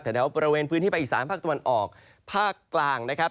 แถวบริเวณพื้นที่ภาคอีสานภาคตะวันออกภาคกลางนะครับ